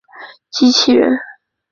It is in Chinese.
机器人。